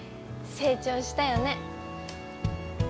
成長したよね